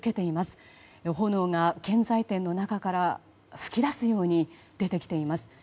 炎が建材店の中から噴き出すように出てきています。